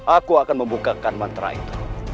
aku akan membukakan mantra itu